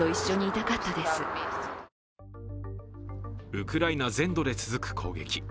ウクライナ全土で続く攻撃。